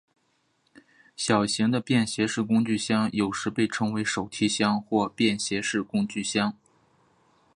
小型的便携式工具箱有时被称为手提箱或便携式工具箱。